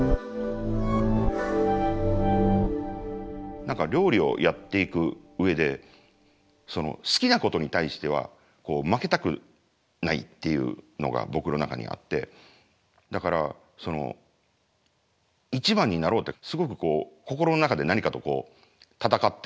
何か料理をやっていく上で好きなことに対しては負けたくないっていうのが僕の中にあってだから一番になろうってすごくこう心の中で何かと闘ってたのが僕の２０代というか。